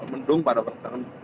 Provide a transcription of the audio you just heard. mendung pada perasaan